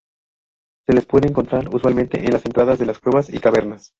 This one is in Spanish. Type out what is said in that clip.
Se les puede encontrar usualmente en las entradas de las cuevas y cavernas.